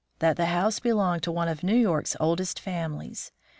That the house belonged to one of New York's oldest families.